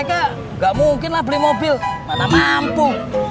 gak mungkin lah beli mobil mata mampu